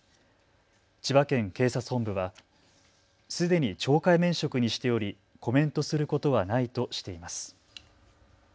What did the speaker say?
千葉県警察本部はすでに懲戒免職にしておりコメントすることはないとしています。